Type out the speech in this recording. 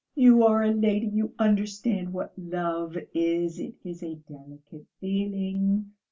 "You are a lady, you understand what love is, it is a delicate feeling....